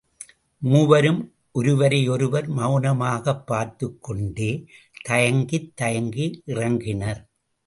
மூவரும் ஒருவரையொருவர் மௌனமாகப் பார்த்துக்கொண்டே தயங்கித் தயங்கி இறங்கினர்.